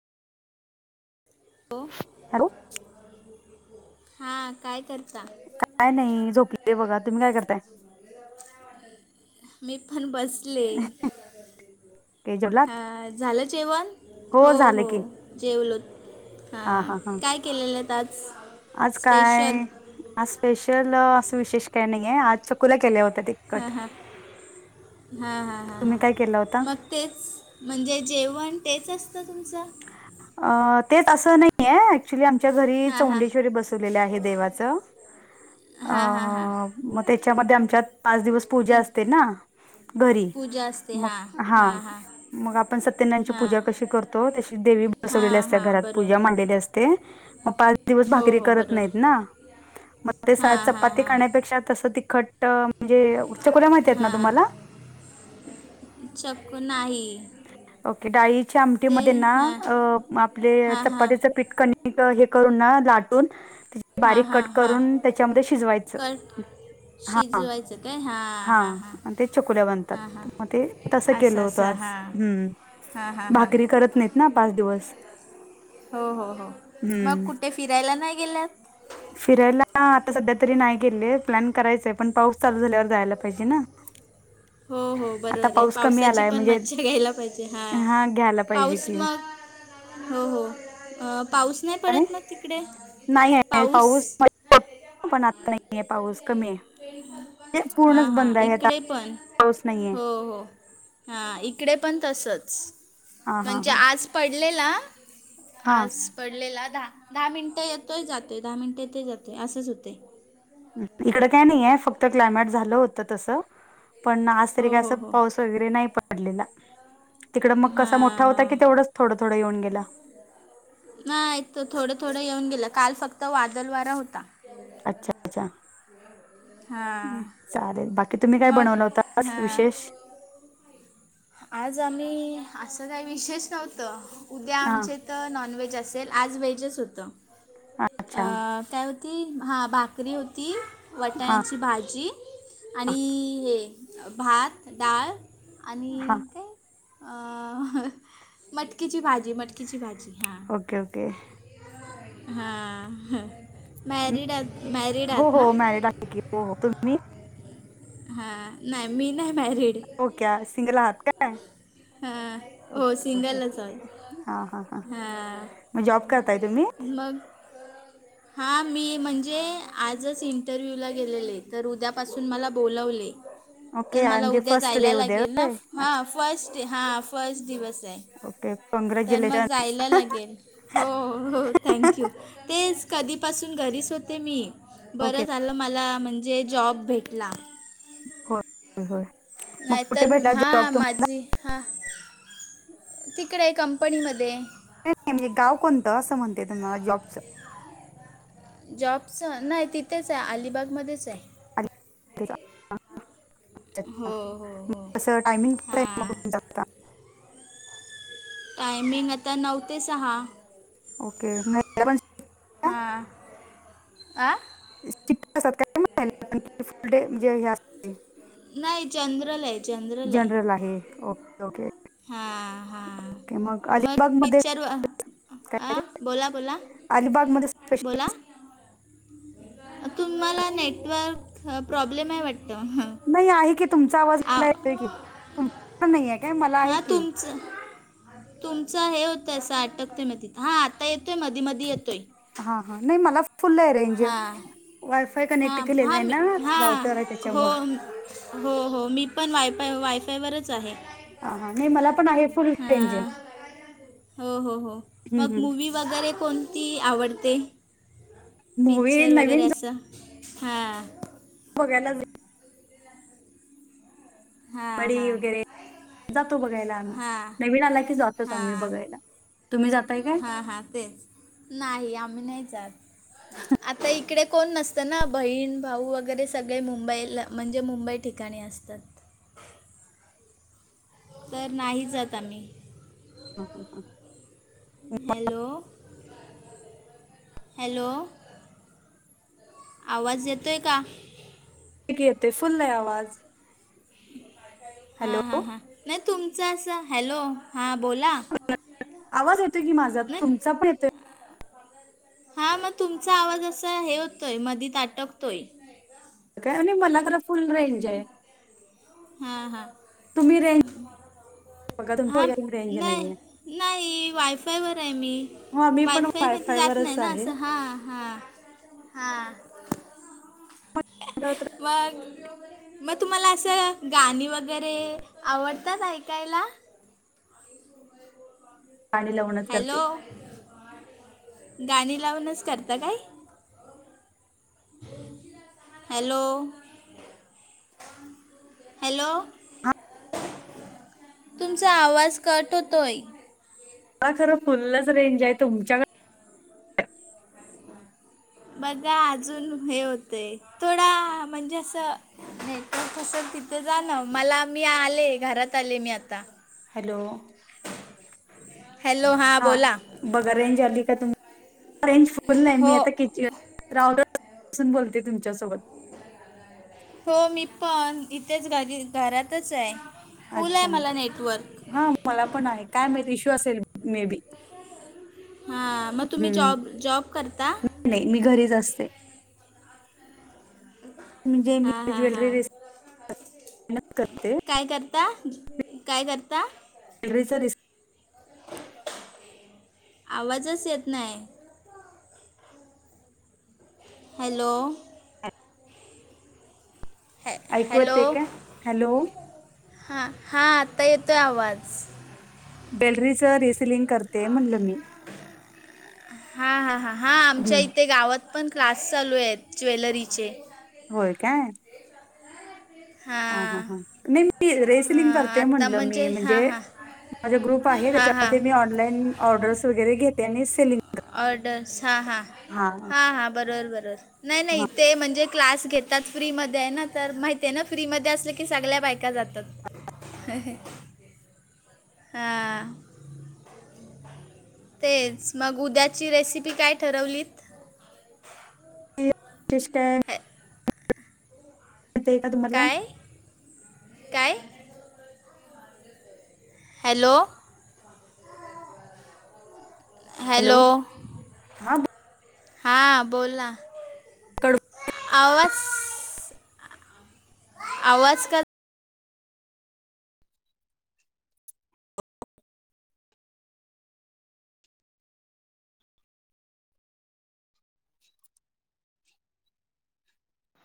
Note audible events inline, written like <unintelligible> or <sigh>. Hello हा काय कर. काय नाही झोपली बघा तुम्ही काय करताय. मि फान बसले. ते जवलात झालं जेवण हो हो की जेवलो. हा काय केलेलं आज आज स्पेशल काय आज स्पेशल असं विशेष काही नाही आहे आज चकुला केल्या होत ते हां हां हां हां हां तुम्ही हां काय केला होता म तेच म्हणजे जेवण तेच असतं तुमचं? अ तेच असं नाहीय ऍक्च्युली आ तुमच्या घरी हां हां चौंडेश्वरी बसवलेलं आहे देवाचं. अ हां हां हां मग त्याच्यामध्ये आमच्यात पाच दिवस पूजा ते असते ना. घरी पूजा असते मग हां हा हां हां मग आपण सत्यनाची पूजा हां कशी करतो. तो तशी देवी बसवलेले हां असते हां घरात पूजा बरोबर मांडलेली असते. मग पाच दिवस हो भाकरी हो करत नाहीत बरोबर ना मग ते सा हां हां चपाती हां खण्यापेक्षा तसं तिखट म्हणजे चकोल्या माहिती आहेत ना हा तुम्हाला चक नाही. ओके डाळीच्या ते आमटीमध्ये ना हां आप हां हां चपातीच पीठ हे करून ना लाटून हां बारीक हां कट हां करून त्याच्यामध्ये शिजवायचं. कट हा शिजवायचं काय हां हा हां हां आणि ते चकुल्या हां बनतात हां मग ते तसं असं केलं होतं असं आज हां हम्म हां हां हां भाकरी करत नाहीत ना पाच दिवस हो हो हो मग हम्म कुठे फिरायला नाही गेल्यात. फिरायला आता सध्या तरी नाही गेले प्लॅन करायचंय पण पाऊस चालू झाल्यावर जायला पाहिजे ना. हो हो आता बरोबर आहे पाऊस कमी पावसाची आलाय पण मज्जा घ्यायला पाहिजे हा. ला पाहिजे की हो हो पाऊस नाही अरे पडत मग तिकडे नाही आहे पाऊस. मध्ये होता पण आता नाहीय पाऊस कमी आहे. तेच हां पूर्णच हां बंद आहे आता इकडे पण पाऊस नाहीये हो हो हां, इकडे पण तसंच, हा हा म्हणजे हा आज पडलेला हा आज पडलेला दहा, दहा मिनिटं येतोय... जातोय, दहा मिनिटं येतोय जातोय असंच होतंय इकडं काय नाहीये, फक्त क्लायमेट झालं होतं तसं, पण आज तरी हो काय, हो असं हो पाऊस वगै नाही पकडलेला, तिकडं मग कसा हां मोठा होता हां की तेवढेच थोडं थोडं येऊन गेला? नाई, इथं थोडा थोडा येऊन गेला. काल फक्त वादल वारा होता अच्छा अच्छा. हां हम्म, चालेल बाकी तुम्ही काय मग बनवलं होतं आज हां विशेष आज आम्ही असं काही विशेष नव्हतं उद्या हा आमचे तर नॉन व्हेज असेल आज व्हेजच होतं. अच्छा काय होती हा भाकरी होती हां वटाण्याची भाजी हां आणि हे भात डाळ हां आणि काय? मटकीची भाजी मटकीची भाजी हां. ओके ओके हा.. म मॅरीड आहात, मॅरीड हो आहेत ना? हो मॅरिड हो, तुम्ही? हा, नाही मी नाही मॅरीड हो क्या सिंगल आहात काय? हा. हो ओके ओके सिंगलच आहोत.. हां हां हां हा मग जॉब करताय तुम्ही मग हां, मी म्हणजे आजच इंटरव्यूला गेलेले तर उद्यापासून मला बोलवले. तर ओके आय मला म्हणजे उद्या फर्स्ट जायला डे उद्या लागेल ना. होय हा अच्छा फस्ट, हा फस्ट दिवस ए. ओके तर मग कॉंग्रॅच्युलेशन्स जायला लागेल. हो, हो थँक्यू, तेच. कधीपासून घरीच होते मी बरं ओके झालं, मला म्हणजे जॉब भेटला. होय होय होय. मग कुठे नाहीतर भेटला हा जॉब तुम्हाला माझी हां, तिकडे ए कंपनीमध्ये नाही, म्हणजे गाव कोणतं असं म्हणतेय तुम्हाला जॉबचं जॉबचं, नाही तिथेच ए, अलिबागमध्येच ए अच्छा. अच्छा. हो हो मग हो तसं टायमिंग कसं आहे हां मग तुमचं टायमिंग आता नऊ ते सहा ओके. <unintelligible> हां, आ शिफ्ट असतात काय मग, की फुल डे म्हणजे हे असतात. नाही जनरल हेत जनरल आहे ओके ओके हा हा ओके, मग अलिबाग मध्ये पिक्चर आ बोला <unintelligible> बोला अलिबाग मध्ये बोला स्पेशल तुम्हाला नेटवर्क प्रॉब्लेम ए वाटतं? नाही आहे की, तुमचा आवाज आ मला येतोय की... तुम्हाला नाई ए काय... मला आहे की <unintelligible> तुमचं हे होतंय, असं अटकतय न तिथं.. हा आता येतोय, मधी मधी येतोय हा हा, नाही मला फुल्ल रेंज... हां वायफाय कनेक्ट हां केलेला हां ये मी ना... हां राउटर ए हो त्याच्यामुळे हो हो मी पण वायफाय... वायफायवरच आहे ह हा, नाही मला पण आहे फुल रेंज ए हां हो हो हो मग मूवी वगैरे कोणती आवडते मूवी नवीन ह. बघायला. हां बडी हां वगैरे जातो बघायला आम्ही हां नवीन आला की जातोच आम्ही बघायला तुम्ही जातय काय हा हा तेच नाही आम्ही नाही जात आता इकडे कोण नसत ना बहीण भाऊ वगैरे सगळे मुंबईला म्हणजे मुंबई ठिकाणी असतात तर नाही जात आम्ही हां हां हां हॅलो हॅलो आवाज येतोय का? येतोय की येतोय, फुल्ल ए आवाज हा हॅलो हा हा... नाही तुमचं असं, हॅलो हा बोला आवाज येतोय की माझा, नाही तुमचा पण येतोय हा मग तुमचा आवाज असा हे होतोय, मधीत आटोकतय काय आणि मला तर फुल्ल रेंज ए हुं... हुं बघा हा तुमच्या रेंज नाय नाहीये नाही वायफायवर ये मी मग आम्ही पण वायफाय की जात वरच नाही ना आहे असं हा हा हा <inaudible> वर मग तुम्हाला असं गाणी वगैरे आवडतात ऐकायला पाणी लावण हॅलो गाणी लावूनच करतं काय हॅलो हॅलो हा तुमचा आवाज कट होतोय हा खरं फुलच रेंज आहे तुमच्याकड बघा अजून हे होतेय थोडा म्हणजे असं नाही त तस तिथे जाण मला मी आले घरात आले मी आता हॅलो हॅलो हां हा बोला बघा रेंज आली का तुम रेंज फुल आहे मी हो आता किच राऊतून बोलते तुमच्यासोबत हो मी पण इथेच घरी घरातच आहे फुल आहे अच्छा मला नेटवर्क हा मला पण आहे काय माहिती इश्यू असेल मे बी हा मग तुम्ही जॉब जॉब करता नाही मी घरीच असते म्हणजे हा मी हा हा ज्वेलरी रिस्क करते काय करता काय करता रे स रे स आवाजच येत नाय हॅलो हॅ ऐकू हॅलो येतंय काय हा हा आत्ता येतोय आवाज बॅलरीचं रेसलिंग कर हा हा हा हा आमच्या हम्म इथे गावात पण क्लास चालू आहेत ज्वेलरीचे होय काय. हा, हा, हां हा नाही मी रेसलिंग हां करते आत्ता म्हणलं मी हां म्हणजे. हां माझा ग्रुप आहे हां हां त्याच्यामध्ये मी ऑनलाईन ऑर्डर्स वगैरे घेते. आणि सेलिंग ऑर्डर्स हां हां हा हां हां बरोबर बरोबर नाही हा नाही तेे म्हणजे क्लास घेतात. फ्री मध्ये ना तर माहिती आहे ना फ्री मध्ये असलं की सगळ्या बाहिक त्या जातात हा.. तेच मग उद्याची रेसिपी काय ठरवलीत? शिस्ट <unintelligible> हॅ- <unintelligible> काय, काय. हॅलो. हॅलो हा. हा बोलां कट आवाज आवाज का